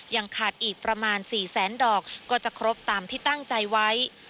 ยังขาดอีกประมาณ๔แสนดอกก็จะครบตามที่ตั้งใจไว้